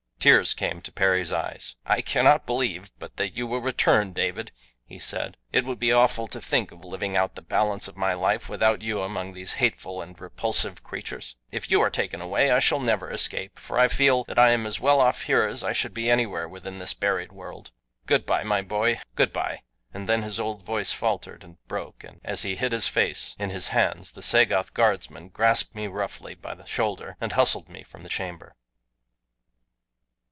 Tears came to Perry's eyes. "I cannot believe but that you will return, David," he said. "It would be awful to think of living out the balance of my life without you among these hateful and repulsive creatures. If you are taken away I shall never escape, for I feel that I am as well off here as I should be anywhere within this buried world. Good bye, my boy, good bye!" and then his old voice faltered and broke, and as he hid his face in his hands the Sagoth guardsman grasped me roughly by the shoulder and hustled me from the chamber.